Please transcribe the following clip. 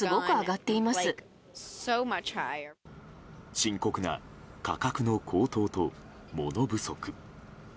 深刻な価格の高騰と物不足。